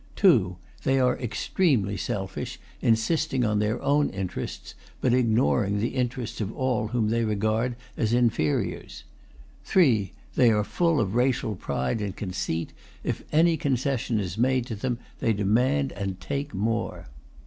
(2) They are extremely selfish, insisting on their own interests, but ignoring the interests of all whom they regard as inferiors. (3) They are full of racial pride and conceit. If any concession is made to them they demand and take more.